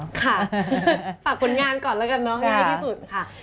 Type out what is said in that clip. ค่ะฝากผลงานก่อนแล้วกันเนอะง่ายที่สุดค่ะ